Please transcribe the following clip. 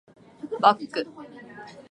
バック